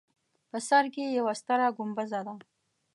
په سر کې یوه ستره ګومبزه ده.